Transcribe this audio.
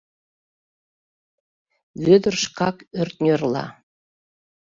Вӧдыр шкак ӧртньӧрла.